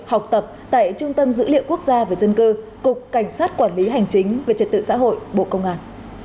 học tập tại trung tâm dữ liệu quốc gia về dân cư cục cảnh sát quản lý hành chính về trật tự xã hội bộ công an